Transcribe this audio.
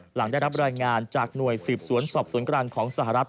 หลังได้รับรายงานจากหน่วยสืบสวนสอบสวนกลางของสหรัฐ